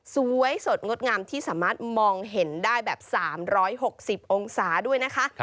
สวยสดงดงามที่สามารถมองเห็นได้แบบ๓๖๐องศาด้วยนะคะ